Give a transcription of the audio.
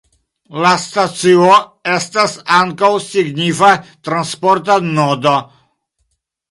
La stacio estas ankaŭ signifa transporta nodo.